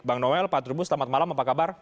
bang noel pak trubus selamat malam apa kabar